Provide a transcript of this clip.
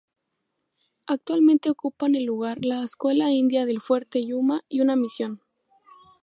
Actualmente ocupan el lugar la Escuela India del Fuerte Yuma y una misión.